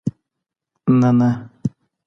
نه ، نه